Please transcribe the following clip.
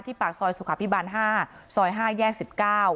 ที่ปากซอยสุขภิบัณฑ์๕ซอย๕แยก๑๙